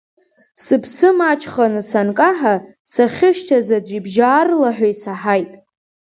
Сыԥсы маҷханы санкаҳа, сахьышьҭаз аӡәы ибжьы аарлаҳәа исаҳаит…